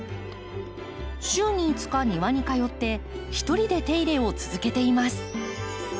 週に５日庭に通って一人で手入れを続けています。